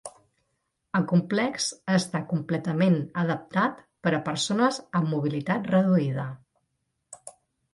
El complex està completament adaptat per a persones amb mobilitat reduïda.